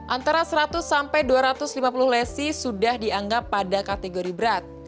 antara seratus sampai dua ratus lima puluh lesi sudah dianggap pada kategori berat